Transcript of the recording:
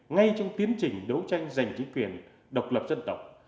ngay trong tiến trình đấu tranh giành chính quyền độc lập dân tộc